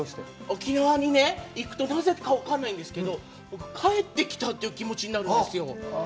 沖縄に行くと、なぜか分からないんですけど、僕、帰ってきたという気持ちになるんですよ。